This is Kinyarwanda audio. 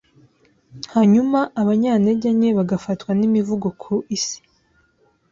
hanyuma abanyantege nke bagafatwa nimivugo ku isi